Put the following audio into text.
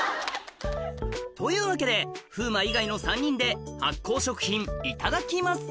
というわけで風磨以外の３人で発酵食品いただきます